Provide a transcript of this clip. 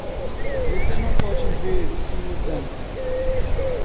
Você não pode ver o Sr. Dan.